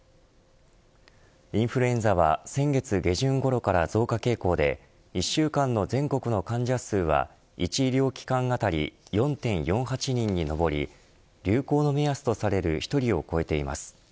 インフルエンザは先月下旬ごろから増加傾向で１週間の全国の患者数は１医療機関当たり４．４８人に上り流行の目安とされる１人を超えています。